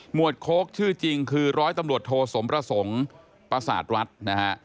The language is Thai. วดโค้กชื่อจริงคือร้อยตำรวจโทสมประสงค์ประสาทรัฐนะฮะ